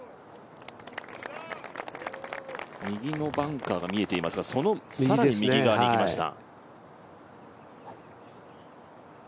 右のバンカーが見えていますがその更に右側にいきました。